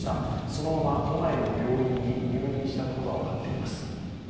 そのまま都内の病院に入院したことが分かっています。